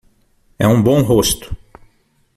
É um bom rosto.